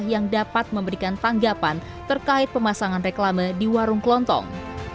yang dapat memberikan tanggapan terkait pemasangan reklame di warung kelontong